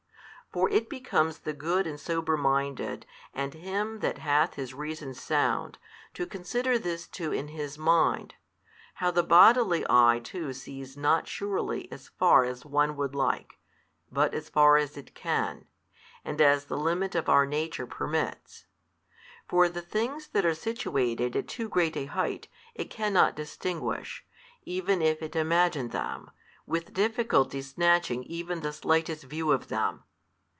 For it becomes the good and sober minded and him that hath his reason sound, to consider this too in his mind, how the bodily eye too sees not surely as far as one would like, but as far as it can, and as the limit of our nature permits. For the things that are situated at too great a height, it cannot distinguish, even if it imagine them, with difficulty snatching even the slightest view of them.